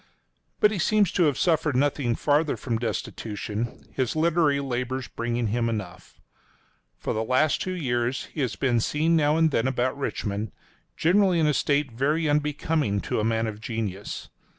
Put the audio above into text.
But he seems to have suffered nothing farther from destitution, his literary labors bringing him enough. For the last two years he has been seen now and then about Richmond, generally in a state very unbecoming to a man of genius.